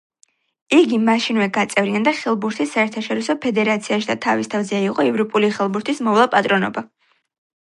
იგი მაშინვე გაწევრიანდა ხელბურთის საერთაშორისო ფედერაციაში და თავის თავზე აიღო ევროპული ხელბურთის მოვლა-პატრონობა.